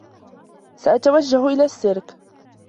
سأتوجّه إلى السّيرك.